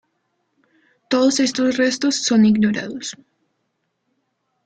Todos estos restos son ignorados.